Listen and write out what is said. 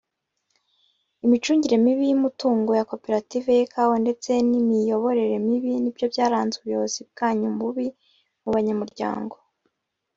Imicungire mibi yumutungo yakoperative yikawa ndetse nimiyoborere mibi nibyo byaranze ubuyobozi bwanyu bubi mubanyamuryango.